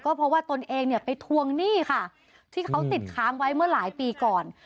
เพราะว่าตนเองเนี่ยไปทวงหนี้ค่ะที่เขาติดค้างไว้เมื่อหลายปีก่อน